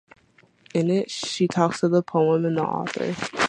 In it she talks of the poem and the author.